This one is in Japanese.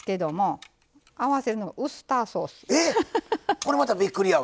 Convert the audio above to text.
これまたびっくりやわ。